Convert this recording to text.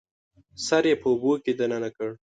سر یې په اوبو کې دننه کړ